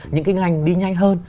những ngành đi nhanh hơn